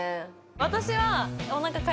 私は。